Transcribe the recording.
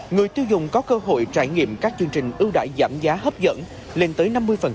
người tiêu dùng có cơ hội trải nghiệm các chương trình ưu đại giảm giá hấp dẫn lên tới năm mươi